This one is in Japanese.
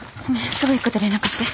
すぐ行くって連絡して。